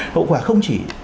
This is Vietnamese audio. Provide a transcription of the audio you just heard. hậu quả không chỉ